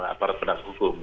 aparat pendekat hukum